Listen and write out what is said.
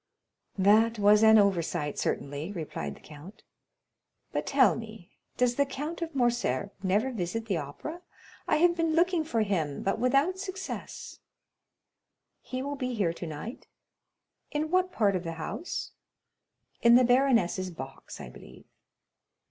"That was an oversight, certainly," replied the count; "but tell me, does the Count of Morcerf never visit the Opera? I have been looking for him, but without success." "He will be here tonight." "In what part of the house?" "In the baroness's box, I believe."